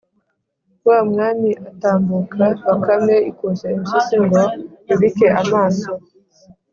Wa mwami atambuka, Bakame ikoshya Impyisi ngo yubike amaso